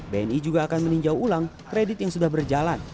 bni juga akan meninjau ulang kredit yang sudah berjalan